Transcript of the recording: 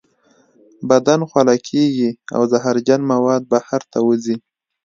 بدن خوله کیږي او زهرجن مواد بهر ته وځي.